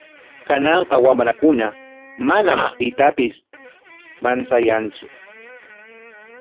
Kananqa wamrakuna manam pitapis manchayantsu.